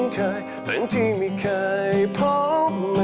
ก้าวเบื้องก้าว